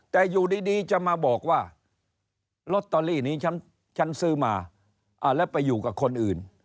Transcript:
แต่อยู่ดีจะมาบอกว่าลอตเตอรี่นี้ฉันซื้อมาแล้วไปอยู่กับคนอื่น